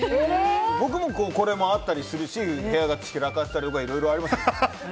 僕もこれもあったりするし部屋が散らかってたりいろいろあります。